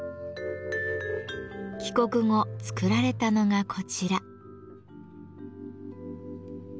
帰国後作られたのがこちら。